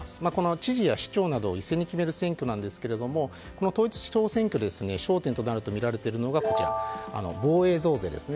知事や市長などを一斉に決める選挙ですがこの選挙で焦点となるとみられているのが防衛増税ですね。